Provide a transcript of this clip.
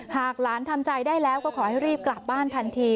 หากหลานทำใจได้แล้วก็ขอให้รีบกลับบ้านทันที